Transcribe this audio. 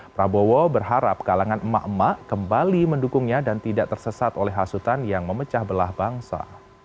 prabowo berharap kalangan emak emak kembali mendukungnya dan tidak tersesat oleh hasutan yang memecah belah bangsa